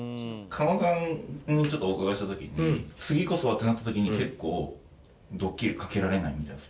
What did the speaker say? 狩野さんにちょっとお伺いした時に「次こそは！」ってなった時に結構ドッキリかけられないみたいなスパンが。